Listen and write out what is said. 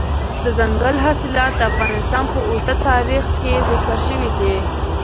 دځنګل حاصلات د افغانستان په اوږده تاریخ کې ذکر شوی دی.